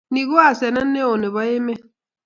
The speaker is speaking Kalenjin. Ni ko asenet neo nebo emet